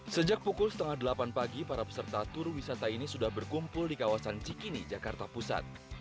sejak pukul setengah delapan pagi para peserta tur wisata ini sudah berkumpul di kawasan cikini jakarta pusat